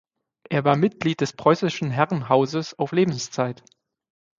Er war Mitglied des Preußischen Herrenhauses auf Lebenszeit.